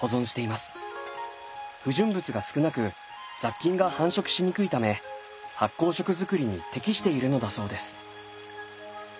不純物が少なく雑菌が繁殖しにくいため発酵食づくりに適しているのだそうです。